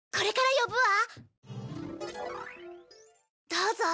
どうぞ。